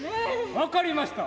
分かりました。